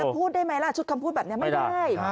พูดได้ไหมล่ะชุดคำพูดแบบนี้ไม่ได้